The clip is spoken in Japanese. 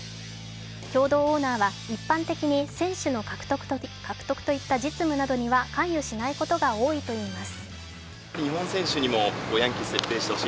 共同オーナーは一般的に選手の獲得といった実務などには関与しないことが多いといいます。